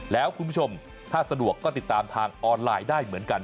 แล้วคุณผู้ชมถ้าสะดวกก็ติดตามทางออนไลน์ได้เหมือนกัน